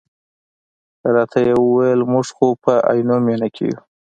راته یې وویل چې موږ خو په عینومېنه کې یو.